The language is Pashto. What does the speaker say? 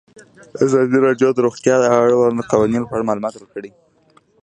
ازادي راډیو د روغتیا د اړونده قوانینو په اړه معلومات ورکړي.